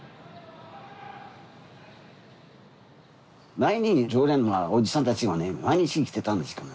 前に常連のおじさんたちがね毎日来てたんですけどね。